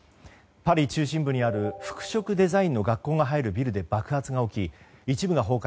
パリ中心部にある服飾デザインの学校が入るビルで爆発が起き、一部が崩壊。